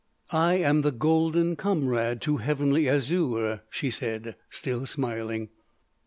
"I am the golden comrade to Heavenly Azure," she said, still smiling.